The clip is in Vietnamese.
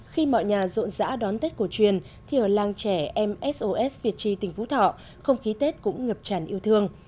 khi mọi nhà rộn rã đón tết cổ truyền thì ở làng trẻ msos việt tri tình phú thọ không khí tết cũng ngập tràn yêu thương